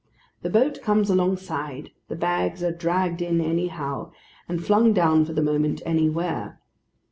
The boat comes alongside; the bags are dragged in anyhow, and flung down for the moment anywhere.